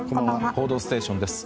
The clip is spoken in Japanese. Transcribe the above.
「報道ステーション」です。